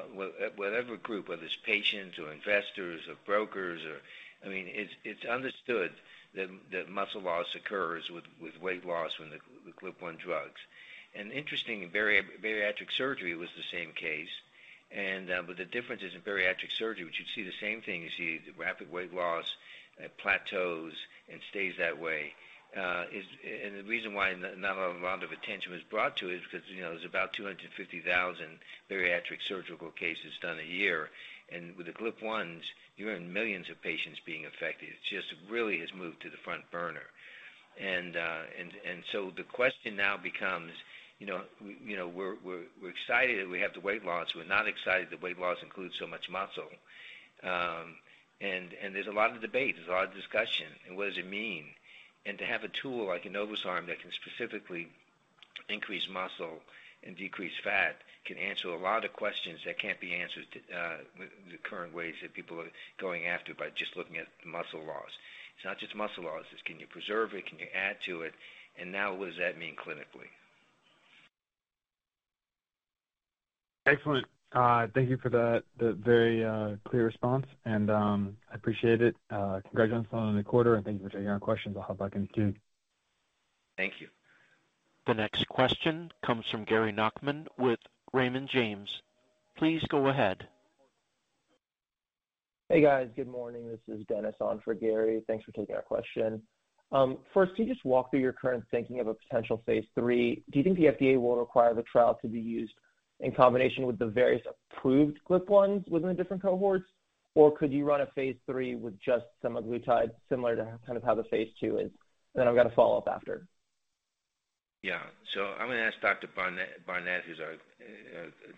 whatever group, whether it's patients or investors or brokers or, I mean, it's understood that muscle loss occurs with weight loss with the GLP-1 drugs. And interestingly, bariatric surgery was the same case. But the difference is, in bariatric surgery, which you'd see the same thing, you see the rapid weight loss, it plateaus and stays that way. And the reason why not a lot of attention was brought to it is because, you know, there's about 250,000 bariatric surgical cases done a year, and with the GLP-1s, you're in millions of patients being affected. It just really has moved to the front burner. So the question now becomes, you know, we're excited that we have the weight loss. We're not excited that weight loss includes so much muscle. And there's a lot of debate, there's a lot of discussion about what does it mean? And to have a tool like enobosarm that can specifically increase muscle and decrease fat can answer a lot of questions that can't be answered with the current ways that people are going after by just looking at muscle loss. It's not just muscle loss. It's can you preserve it? Can you add to it? And now, what does that mean clinically? Excellent. Thank you for that, the very clear response, and I appreciate it. Congratulations on the quarter, and thank you for taking our questions. I'll hop back in queue. Thank you. The next question comes from Gary Nachman with Raymond James. Please go ahead. Hey, guys. Good morning. This is Dennis on for Gary. Thanks for taking our question. First, can you just walk through your current thinking of a potential phase III? Do you think the FDA will require the trial to be used in combination with the various approved GLP-1 within the different cohorts? Or could you run a phase III with just semaglutide, similar to kind of how the phase II is? Then I've got a follow-up after. Yeah. So I'm going to ask Dr. Barnette, who's our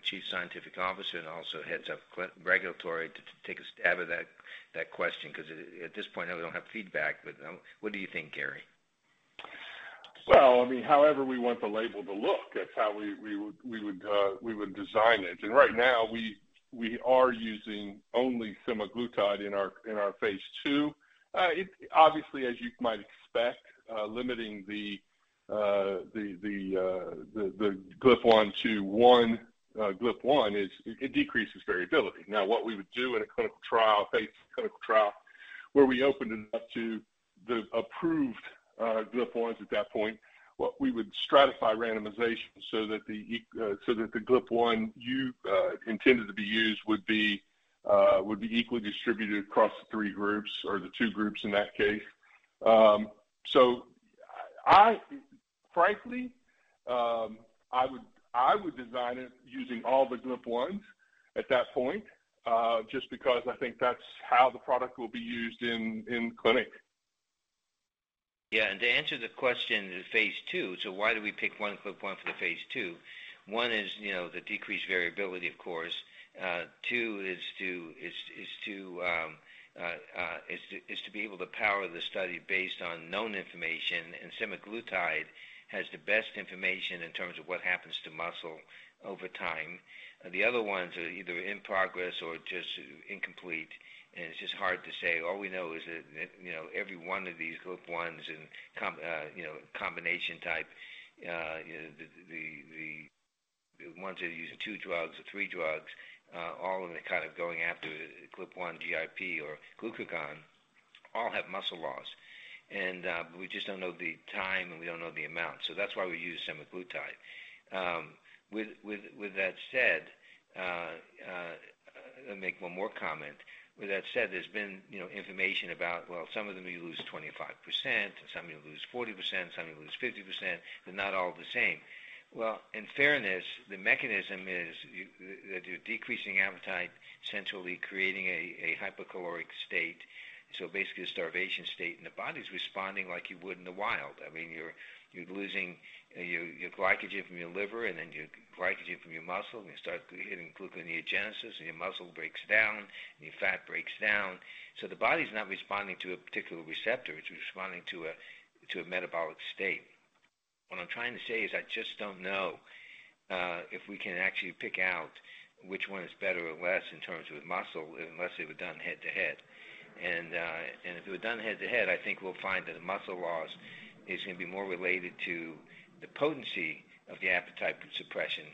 Chief Scientific Officer, and also heads up clinical regulatory, to take a stab at that question, because at this point, I don't have feedback. But, what do you think, Gary? Well, I mean, however we want the label to look, that's how we would design it. And right now, we are using only semaglutide in our phase II. Obviously, as you might expect, limiting the GLP-1 to one GLP-1 decreases variability. Now, what we would do in a phase II clinical trial, where we opened it up to the approved GLP-1s at that point, what we would stratify randomization so that the GLP-1 intended to be used would be equally distributed across the three groups or the two groups in that case. So, frankly, I would design it using all the GLP-1s at that point, just because I think that's how the product will be used in clinic. Yeah, and to answer the question, in phase II, so why do we pick one GLP-1 for the phase II? One is, you know, the decreased variability, of course. Two is to be able to power the study based on known information, and semaglutide has the best information in terms of what happens to muscle over time. The other ones are either in progress or just incomplete, and it's just hard to say. All we know is that, you know, every one of these GLP-1s and combination type, the ones that are using two drugs or three drugs, all of them are kind of going after GLP-1, GIP, or glucagon, all have muscle loss. We just don't know the time, and we don't know the amount, so that's why we use semaglutide. With that said, let me make one more comment. With that said, there's been, you know, information about, well, some of them, you lose 25%, some you lose 40%, some you lose 50%, but not all the same. Well, in fairness, the mechanism is that you're decreasing appetite, essentially creating a hypercaloric state, so basically a starvation state, and the body's responding like you would in the wild. I mean, you're losing your glycogen from your liver and then your glycogen from your muscle, and you start hitting gluconeogenesis, and your muscle breaks down, and your fat breaks down. So the body's not responding to a particular receptor, it's responding to a metabolic state. What I'm trying to say is, I just don't know if we can actually pick out which one is better or less in terms of muscle, unless it was done head-to-head. And if it was done head-to-head, I think we'll find that the muscle loss is going to be more related to the potency of the appetite suppression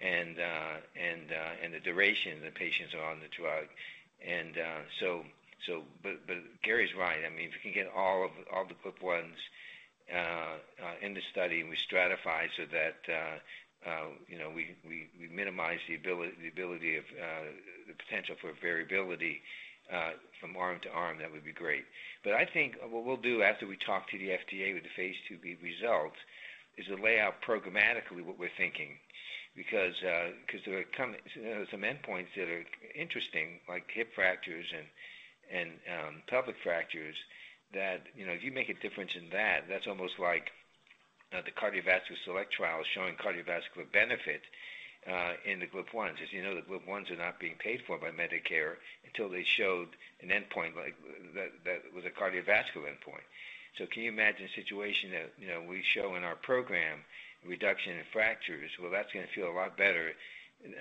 and the duration the patients are on the drug. But Gary's right. I mean, if you can get all the GLP-1s in the study, and we stratify so that you know we minimize the ability of the potential for variability from arm to arm, that would be great. But I think what we'll do after we talk to the FDA with the phase IIb results is to lay out programmatically what we're thinking. Because there are some endpoints that are interesting, like hip fractures and pelvic fractures, that you know, if you make a difference in that, that's almost like the SELECT trial is showing cardiovascular benefit in the GLP-1s. As you know, the GLP-1s are not being paid for by Medicare until they showed an endpoint like that that was a cardiovascular endpoint. So can you imagine a situation that you know, we show in our program, reduction in fractures? Well, that's going to feel a lot better and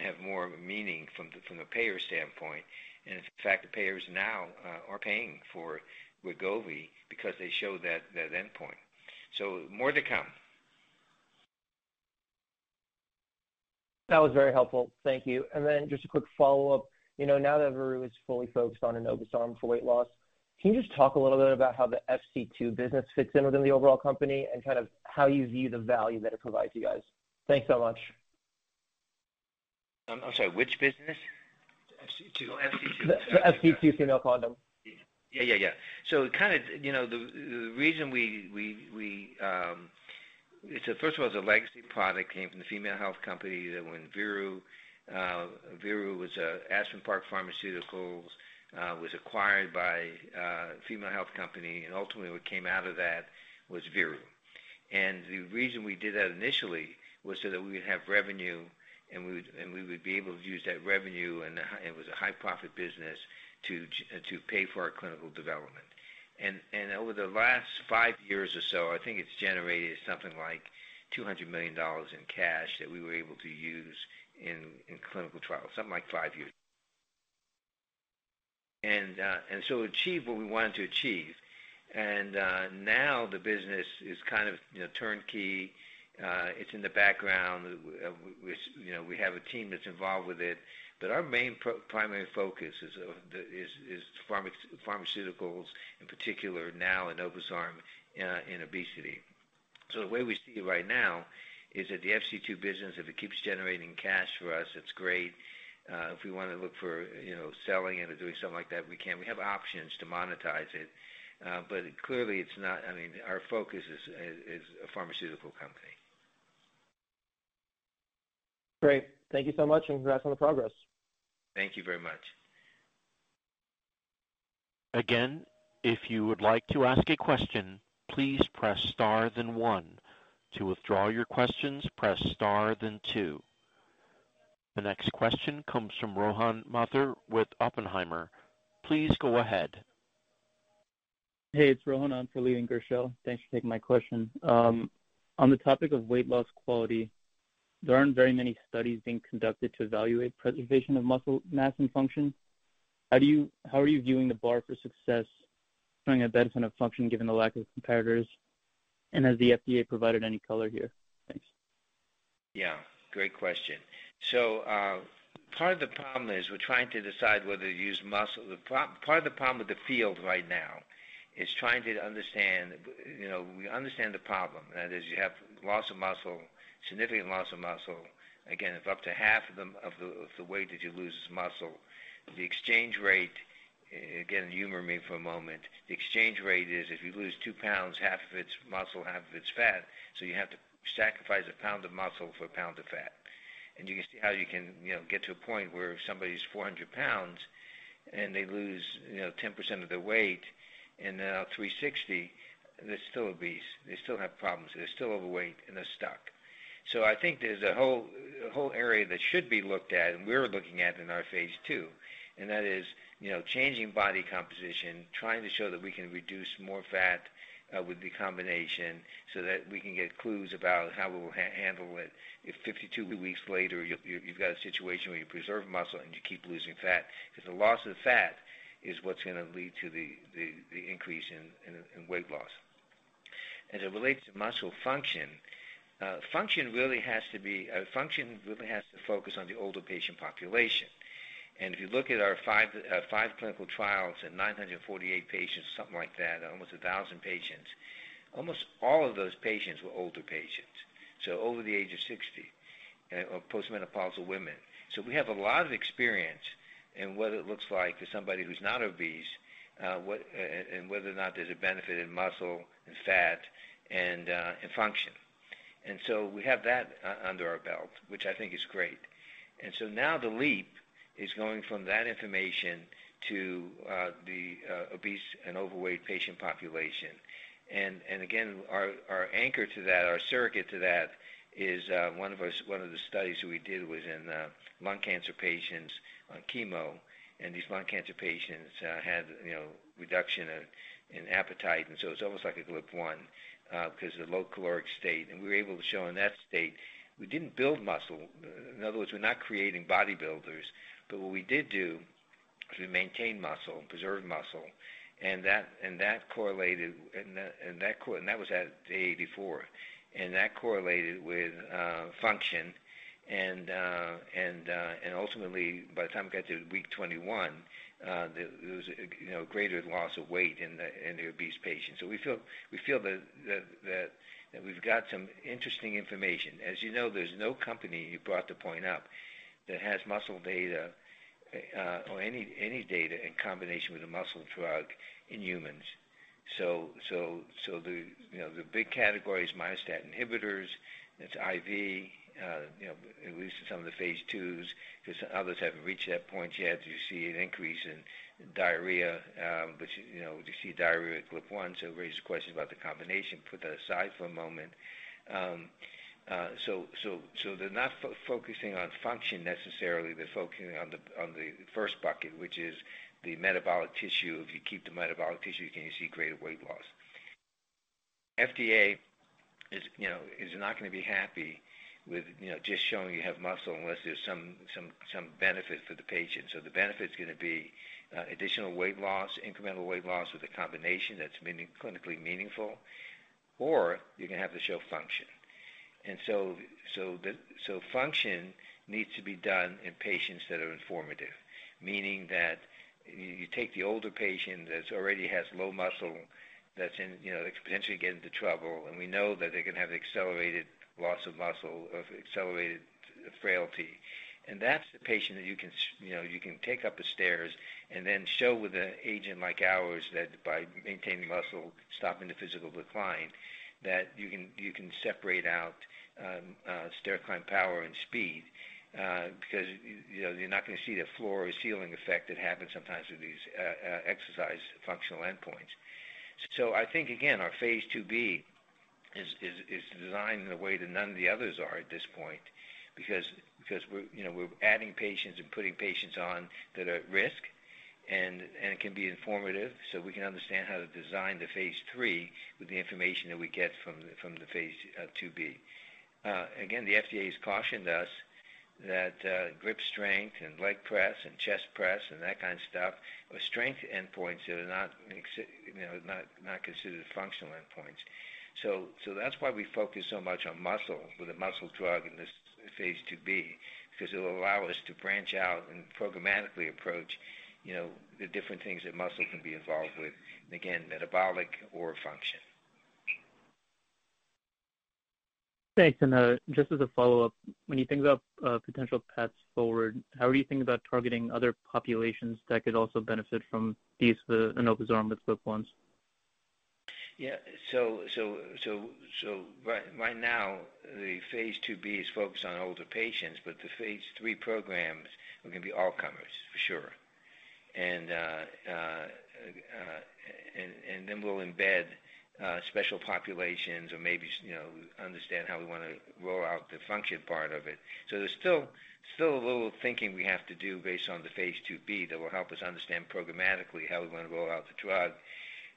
have more meaning from a payer standpoint. In fact, the payers now are paying for Wegovy because they show that, that endpoint. More to come. That was very helpful. Thank you. And then just a quick follow-up. You know, now that Veru is fully focused on enobosarm for weight loss, can you just talk a little bit about how the FC2 business fits in within the overall company and kind of how you view the value that it provides you guys? Thanks so much. I'm sorry, which business? FC2. FC2. The FC2 Female Condom. Yeah, yeah, yeah. So kind of, you know, the reaso, so first of all, it's a legacy product, came from the Female Health Company, that when Veru was Aspen Park Pharmaceuticals, was acquired by Female Health Company, and ultimately what came out of that was Veru. And the reason we did that initially was so that we would have revenue, and we would be able to use that revenue, and it was a high-profit business to pay for our clinical development. And over the last five years or so, I think it's generated something like $200 million in cash that we were able to use in clinical trials, something like five years. And so achieve what we wanted to achieve. Now the business is kind of, you know, turnkey. It's in the background. We, you know, have a team that's involved with it. But our main primary focus is the pharmaceuticals, in particular, now in enobosarm, in obesity. So the way we see it right now is that the FC2 business, if it keeps generating cash for us, it's great. If we want to look for, you know, selling it or doing something like that, we can. We have options to monetize it, but clearly, it's not, I mean, our focus is a pharmaceutical company. Great. Thank you so much, and congrats on the progress. Thank you very much. Again, if you would like to ask a question, please press star then one. To withdraw your questions, press star then two. The next question comes from Rohan Mathur with Oppenheimer. Please go ahead. Hey, it's Rohan on for Leland Gershell. Thanks for taking my question. On the topic of weight loss quality, there aren't very many studies being conducted to evaluate preservation of muscle mass and function. How are you viewing the bar for success showing a benefit of function given the lack of competitors? And has the FDA provided any color here? Thanks. Yeah, great question. So, part of the problem is we're trying to decide whether to use muscle. The part of the problem with the field right now is trying to understand, you know, we understand the problem, that is, you have loss of muscle, significant loss of muscle. Again, if up to half of them, of the, of the weight that you lose is muscle, the exchange rate, again, humor me for a moment. The exchange rate is if you lose 2 pounds, half of it's muscle, half of it's fat. So you have to sacrifice a pound of muscle for a pound of fat. And you can see how you can, you know, get to a point where somebody's 400 pounds and they lose, you know, 10% of their weight and they're now 360, they're still obese. They still have problems, they're still overweight, and they're stuck. So I think there's a whole area that should be looked at, and we're looking at in our phase II, and that is, you know, changing body composition, trying to show that we can reduce more fat with the combination so that we can get clues about how we'll handle it. If 52 weeks later, you've got a situation where you preserve muscle and you keep losing fat, because the loss of fat is what's going to lead to the increase in weight loss. As it relates to muscle function, function really has to focus on the older patient population. If you look at our five clinical trials and 948 patients, something like that, almost a 1,000 patients, almost all of those patients were older patients, so over the age of 60, or post-menopausal women. So we have a lot of experience in what it looks like to somebody who's not obese, and whether or not there's a benefit in muscle and fat and function. So we have that under our belt, which I think is great. So now the leap is going from that information to the obese and overweight patient population. And again, our anchor to that, our surrogate to that is one of the studies we did was in lung cancer patients on chemo. These lung cancer patients had, you know, reduction in appetite. So it's almost like a GLP-1 because of the low caloric state. We were able to show in that state, we didn't build muscle. In other words, we're not creating bodybuilders. But what we did do is we maintained muscle, preserved muscle, and that correlated and that was at day 84, and that correlated with function. Ultimately, by the time we got to week 21, there was, you know, greater loss of weight in the obese patients. So we feel that we've got some interesting information. As you know, there's no company, you brought the point up, that has muscle data or any data in combination with a muscle drug in humans. So, the big category is myostatin inhibitors. It's IV, you know, at least in some of the phase IIs, because others haven't reached that point yet. You see an increase in diarrhea, which, you know, you see diarrhea at GLP-1. So it raises questions about the combination. Put that aside for a moment. So, they're not focusing on function necessarily. They're focusing on the first bucket, which is the metabolic tissue. If you keep the metabolic tissue, can you see greater weight loss? FDA is, you know, not going to be happy with, you know, just showing you have muscle unless there's some benefit for the patient. So the benefit is going to be additional weight loss, incremental weight loss with a combination that's clinically meaningful, or you're going to have to show function. And so the function needs to be done in patients that are informative, meaning that you take the older patient that's already has low muscle, that's in, you know, potentially get into trouble, and we know that they can have accelerated loss of muscle, of accelerated frailty. And that's the patient that you can, you know, you can take up the stairs and then show with an agent like ours, that by maintaining muscle, stopping the physical decline, that you can separate out stair climb power and speed. Because, you know, you're not going to see the floor or ceiling effect that happens sometimes with these exercise functional endpoints. So I think, again, our phase IIb is designed in a way that none of the others are at this point because we're, you know, we're adding patients and putting patients on that are at risk and it can be informative, so we can understand how to design the phase III with the information that we get from the phase IIb. Again, the FDA has cautioned us that grip strength and leg press and chest press and that kind of stuff are strength endpoints that are not, you know, not considered functional endpoints. So, so that's why we focus so much on muscle with a muscle drug in this phase IIb, because it will allow us to branch out and programmatically approach, you know, the different things that muscle can be involved with. Again, metabolic or function. Thanks. And, just as a follow-up, when you think about potential paths forward, how are you thinking about targeting other populations that could also benefit from these, the enobosarm with GLP-1s? Yeah, so right now, the phase IIb is focused on older patients, but the phase III programs are going to be all comers for sure. And then we'll embed special populations or maybe, you know, understand how we want to roll out the function part of it. So there's still a little thinking we have to do based on the phase IIb that will help us understand programmatically how we want to roll out the drug.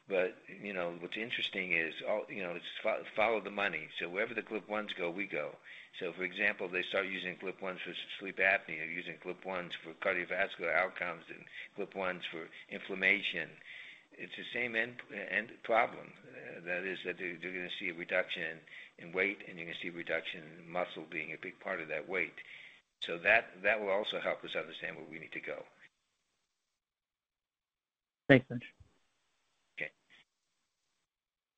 But, you know, what's interesting is, you know, just follow the money. So wherever the GLP-1s go, we go. So, for example, they start using GLP-1s for sleep apnea, they're using GLP-1s for cardiovascular outcomes and GLP-1s for inflammation. It's the same end problem. That is, that you're going to see a reduction in weight, and you're going to see a reduction in muscle being a big part of that weight. So that, that will also help us understand where we need to go. Thanks, Mitch.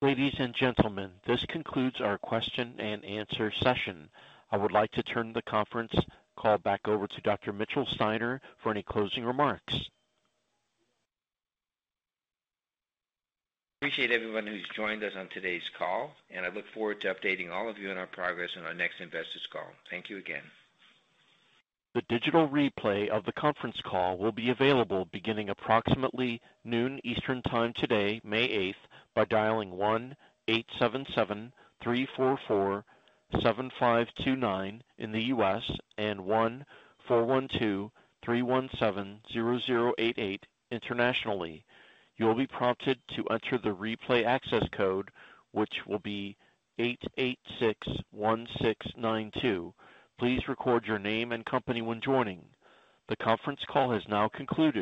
Okay. Ladies and gentlemen, this concludes our question-and-answer session. I would like to turn the conference call back over to Dr. Mitchell Steiner for any closing remarks. Appreciate everyone who's joined us on today's call, and I look forward to updating all of you on our progress on our next investors call. Thank you again. The digital replay of the conference call will be available beginning approximately noon Eastern Time today, May 8, by dialing 1-877-344-7529 in the U.S. and 1-412-317-0088 internationally. You will be prompted to enter the replay access code, which will be 886-1692. Please record your name and company when joining. The conference call has now concluded.